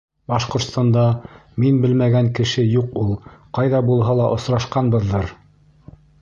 Башҡортостанда мин белмәгән кеше юҡ ул. Ҡайҙа булһа ла осрашҡанбыҙҙыр?